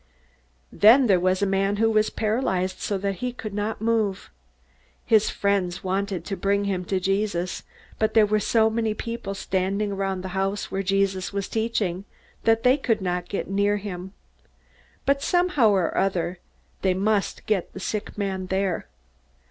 Then there was a man who was paralyzed so that he could not move. His friends wanted to bring him to Jesus, but there were so many people standing around the house where Jesus was teaching that they could not get near him. But somehow or other they must get the sick man there.